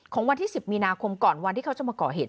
ของวันที่๑๐มีนาคมก่อนวันที่เขาจะมาก่อเหตุ